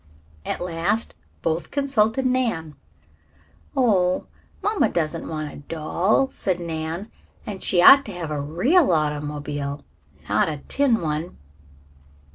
At last both consulted Nan. "Oh, mamma doesn't want a doll," said Nan. "And she ought to have a real automobile, not a tin one."